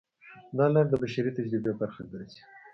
دا لار د بشري تجربې برخه ګرځي.